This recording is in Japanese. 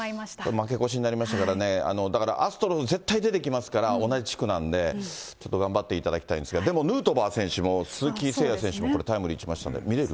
負け越しになりましたからね、アストロズ、絶対出てきますから、同じ地区なんで、ちょっと頑張っていただきたいんですが、でもヌートバー選手も鈴木誠也選手もタイムリー打ちました、見れる？